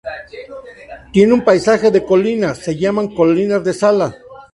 Tiene un paisaje de colinas, se llaman Colinas de Zala.